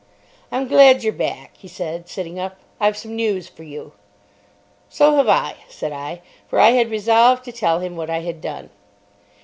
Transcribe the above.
"I'm glad you're back," he said, sitting up; "I've some news for you." "So have I," said I. For I had resolved to tell him what I had done.